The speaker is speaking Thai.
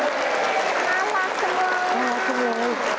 อร่าบสวง